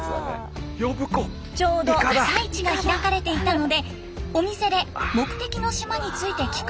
ちょうど朝市が開かれていたのでお店で目的の島について聞くと。